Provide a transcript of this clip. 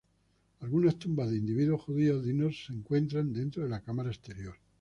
Algunas tumbas de individuos judíos dignos se encuentran dentro de la cámara exterior.